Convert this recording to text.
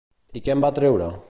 I què en va treure?